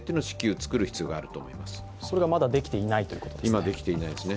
それがまだできていないということですね。